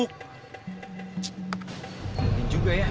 mungkin juga ya